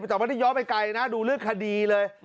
แต่ไม่ได้ย้อนไปไกลนะดูเรื่องคดีเลย